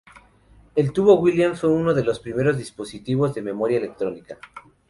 El tubo Williams fue uno de los primeros dispositivos de memoria electrónica.